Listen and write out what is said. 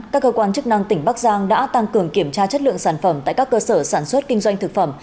các cơ quan chức năng tỉnh bắc giang đã tăng cường kiểm tra chất lượng sản phẩm tại các cơ sở sản xuất kinh doanh thực phẩm